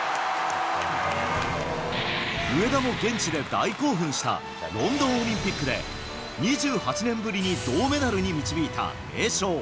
上田も現地で大興奮したロンドンオリンピックで２８年ぶりに銅メダルに導いた名将。